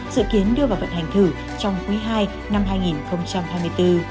dự kiến đưa vào vận hành thử trong quý ii năm hai nghìn hai mươi bốn